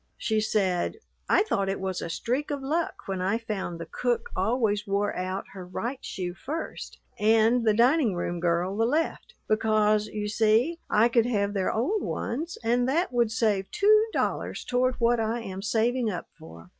She said: "I thought it was a streak of luck when I found the cook always wore out her right shoe first and the dining room girl the left, because, you see, I could have their old ones and that would save two dollars toward what I am saving up for.